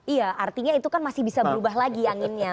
iya artinya itu kan masih bisa berubah lagi anginnya